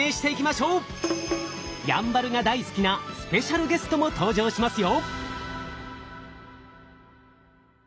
やんばるが大好きなスペシャルゲストも登場しますよ！